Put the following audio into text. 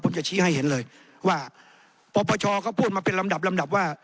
ผมจะชี้ให้เห็นเลยว่าปปชก็พูดมาเป็นลำดับว่า